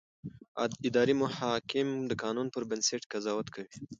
اداري محاکم د قانون پر بنسټ قضاوت کوي.